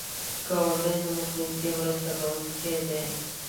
ګاونډی زموږ نږدې مرسته کوونکی وي